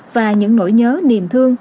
và những nỗi nhớ niềm thương